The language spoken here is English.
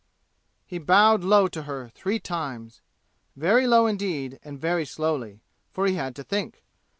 He bowed low to her three times very low indeed and very slowly, for he had to think.